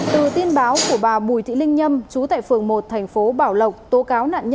từ tin báo của bà bùi thị linh nhâm chú tại phường một thành phố bảo lộc